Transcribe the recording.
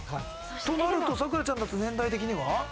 となると咲楽ちゃんだと年代的には？